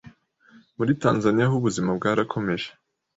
muri Tanzania ho ubuzima bwarakomeje